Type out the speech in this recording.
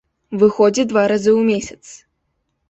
Выходзіць два разы ў месяц.